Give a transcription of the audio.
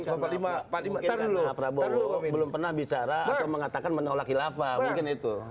kemungkinan pak prabowo belum pernah bicara atau mengatakan menolak khilafah mungkin itu